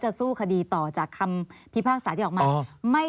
สู้คดีต่อจากคำพิพากษาที่ออกมา